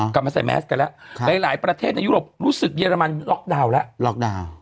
กลับมาใส่แมสกันแล้วหลายประเทศในยุโรปรู้สึกเยอรมันล็อกดาวน์แล้วล็อกดาวน์